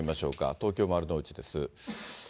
東京・丸の内です。